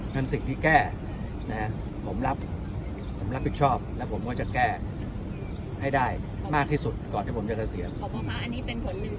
เป็นสิ่งที่แก้เนี่ยและผมรับและบัตรไบ้ชอบแล้วผมก็จะแก้ให้ได้มากที่สุดก่อนถ้าผมจะเสียผมบอกว่าอันนี้เป็นผลหนึ่ง